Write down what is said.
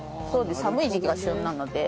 寒い時季が旬なので。